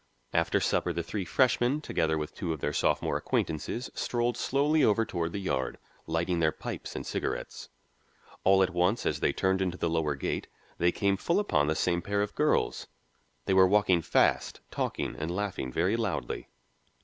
After supper the three freshmen, together with two of their sophomore acquaintances, strolled slowly over toward the Yard, lighting their pipes and cigarettes. All at once, as they turned into the lower gate, they came full upon the same pair of girls. They were walking fast, talking and laughing very loudly.